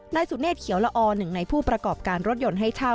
นายสุเนธเขียวละอหนึ่งในผู้ประกอบการรถยนต์ให้เช่า